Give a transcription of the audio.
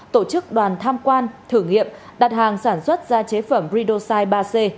tổ chức đoàn tham quan thử nghiệm đặt hàng sản xuất ra chế phẩm ridosite ba c